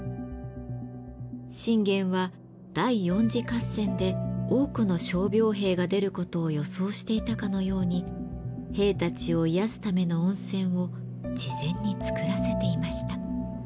信玄は第４次合戦で多くの傷病兵が出ることを予想していたかのように兵たちを癒やすための温泉を事前につくらせていました。